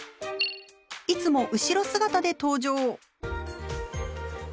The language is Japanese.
いつも後ろ姿で登場。